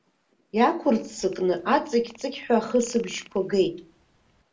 Иақәырццакны аҵықь-аҵықьҳәа ахысбжьқәа геит.